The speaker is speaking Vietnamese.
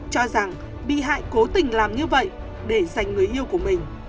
cho rằng bị hại cố tình làm như vậy để dành người yêu của mình